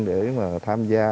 để tham gia